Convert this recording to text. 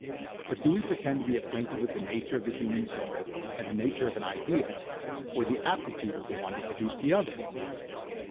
But do we pretend to be acquainted with the nature of the human soul and the nature of an idea, or the aptitude of the one to produce the other?